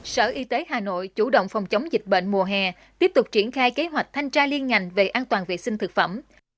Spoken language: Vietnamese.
sở y tế hà nội chủ động phòng chống dịch bệnh mùa hè tiếp tục triển khai kế hoạch thanh tra liên ngành về an toàn vệ sinh thực phẩm